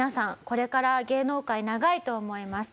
これから芸能界長いと思います。